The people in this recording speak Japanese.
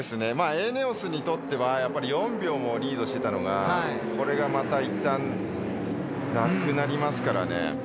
エネオスにとってはやっぱり４秒もリードしてたのがこれがまたいったんなくなりますからね。